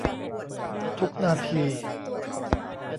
ทุกนาที